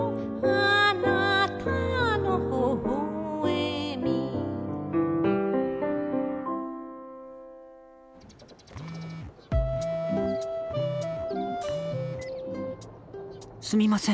「あなたのほほえみ」すみません